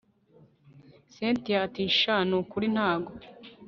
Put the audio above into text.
cyntia ati sha nukuri ntago